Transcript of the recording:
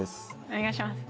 お願いします。